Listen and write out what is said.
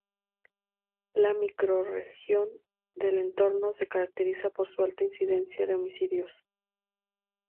La Microrregión del Entorno se caracteriza por su alta incidencia de homicidios.